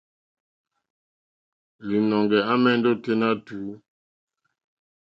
Līnɔ̄ŋgɛ̄ à mɛ̀ndɛ́ ôténá tùú.